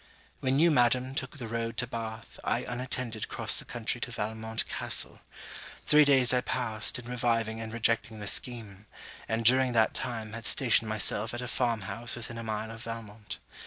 When you, Madam, took the road to Bath, I unattended crossed the country to Valmont castle. Three days I passed in reviving and rejecting the scheme; and during that time, had stationed myself at a farm house within a mile of Valmont.